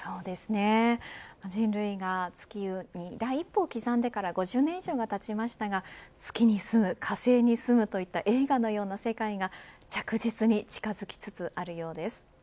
人類が月に第一歩を刻んでから５０年以上がたちましたが月に住む火星に住むといった映画のような世界が着実に近づきつつあるようです。